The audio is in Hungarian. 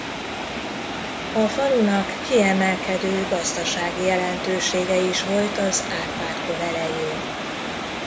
A falunak kiemelkedő gazdasági jelentősége is volt az Árpád-kor elején.